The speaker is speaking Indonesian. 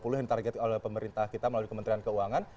yang ditargetkan oleh pemerintah kita melalui kementerian keuangan